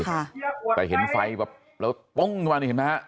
ค่ะแต่เห็นไฟแบบแล้วปุ้งขึ้นมานี่เห็นไหมฮะ